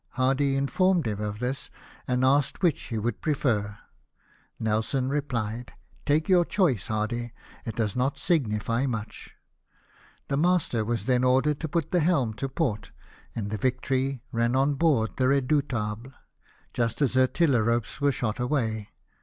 Hardy informed him of this, and asked which he would prefer. Nelson replied :" Take your choice, Hardy, it does not signify much." The master was then ordered to put the helm to port, and the Victory ran on board the Redoubtable, just as her tiller ropes were shot away.